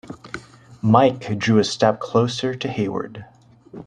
Mike drew a step closer to Hayward.